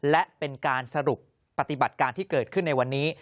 และเป็นการสรุปปฏิบัติการที่เกิดขึ้นในวันนี้